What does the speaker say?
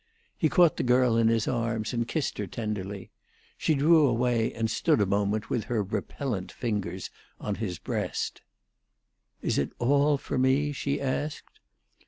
He caught the girl in his arms, and kissed her tenderly. She drew away, and stood a moment with her repellent fingers on his breast. "Is it all for me?" she asked.